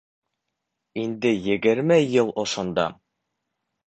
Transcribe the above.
Инде егерме йыл ошонда..